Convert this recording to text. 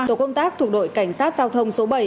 tổ công tác thuộc đội cảnh sát giao thông số bảy